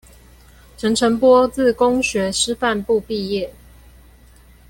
陳澄波自公學師範部畢業